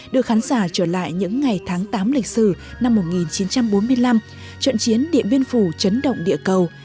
đưa khán giả trở lại những ngày tháng tám lịch sử năm một nghìn chín trăm bốn mươi năm trận chiến địa biên phủ chấn động địa cầu